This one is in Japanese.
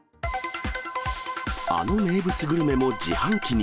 あの名物グルメも自販機に。